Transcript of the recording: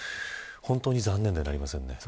本当に残念でなりませんね。